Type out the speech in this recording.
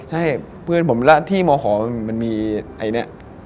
ใช่เพื่อนผมและที่มหมันมีไอ้เนี่ย